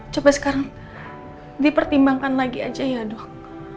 coba sekarang dipertimbangkan lagi aja ya dok